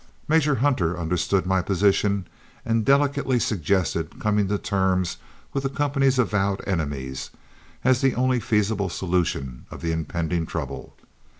Major Hunter understood my position and delicately suggested coming to terms with the company's avowed enemies as the only feasible solution of the impending trouble.